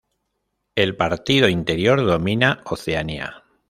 El Partido Interior domina Oceanía.